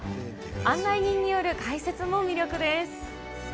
案内人による解説も魅力です。